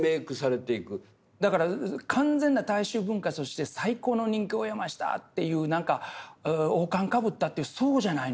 だから完全な大衆文化として最高の人気を得ましたっていう何か王冠かぶったっていうそうじゃないんですよ。